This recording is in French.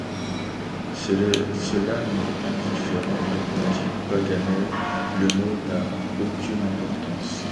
Cela m’est indifférent, répondit Paganel ; le mot n’a aucune importance.